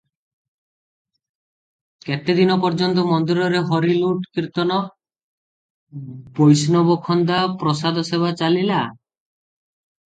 କେତେ ଦିନ ପର୍ଯ୍ୟନ୍ତ ମନ୍ଦିରରେ ହରିଲୁଟ, କୀର୍ତ୍ତନ, ବୈଷ୍ଣବଖନ୍ଦା, ପ୍ରସାଦ ସେବା ଚାଲିଲା ।